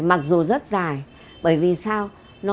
mặc dù rất dài bởi vì sao